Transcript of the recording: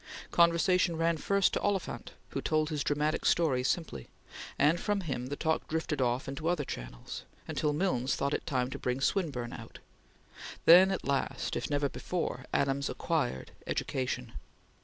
Conversation ran first to Oliphant who told his dramatic story simply, and from him the talk drifted off into other channels, until Milnes thought it time to bring Swinburne out. Then, at last, if never before, Adams acquired education.